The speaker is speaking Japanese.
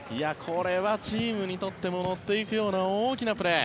これはチームにとっても乗っていくような大きなプレー。